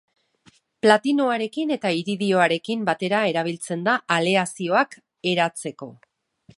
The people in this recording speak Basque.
Platinoarekin eta iridioarekin batera erabiltzen da aleazioak eratzeko.